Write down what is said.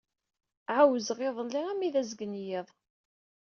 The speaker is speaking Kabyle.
Ɛawzeɣ iḍelli armi d azgen-iḍ.